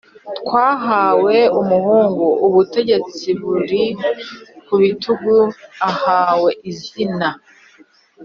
twahawe umuhungu, ubutegetsi bumuri mu bitugu ahawe izina: